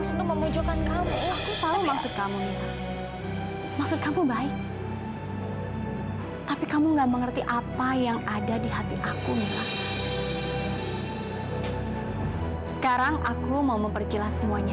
sampai jumpa di video selanjutnya